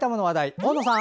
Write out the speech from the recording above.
大野さん。